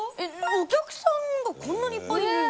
お客さんがこんなにいっぱいいるんだ。